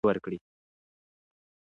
میندې باید خپلو اولادونو ته شیدې ورکړي.